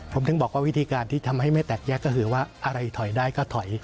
ผมถึงบอกว่าวิธีการที่ทำให้ไม่แตกแยกก็คือว่าอะไรถอยได้ก็ถอย